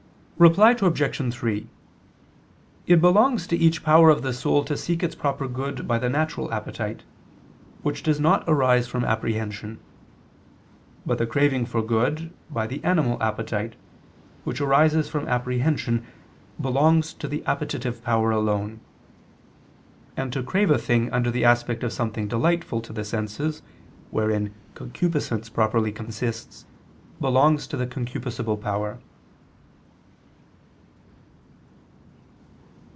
Reply Obj. 3: It belongs to each power of the soul to seek its proper good by the natural appetite, which does not arise from apprehension. But the craving for good, by the animal appetite, which arises from apprehension, belongs to the appetitive power alone. And to crave a thing under the aspect of something delightful to the senses, wherein concupiscence properly consists, belongs to the concupiscible power.